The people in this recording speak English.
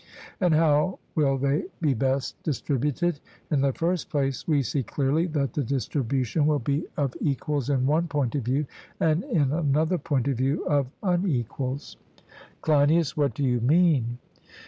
And how will they be best distributed? In the first place, we see clearly that the distribution will be of equals in one point of view, and in another point of view of unequals. CLEINIAS: What do you mean?